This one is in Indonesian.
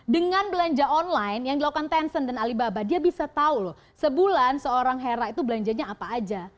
dengan belanja online yang dilakukan tencent dan alibaba dia bisa tahu loh sebulan seorang hera itu belanjanya apa aja